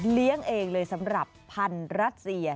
เลี้ยงเองเลยสำหรับพันธุ์รัสเซีย